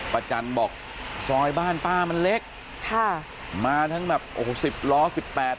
จันบอกซอยบ้านป้ามันเล็กค่ะมาทั้งแบบโอ้โหสิบล้อสิบแปด